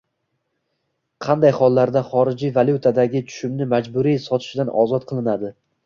Qanday hollarda xorijiy valyutadagi tushumni majburiy sotishdan ozod qilinadi?